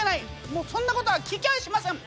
もうそんなことは聞き返しません。